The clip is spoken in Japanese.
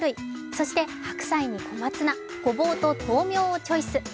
そして白菜に小松菜、ごぼうととうみょうをチョイス。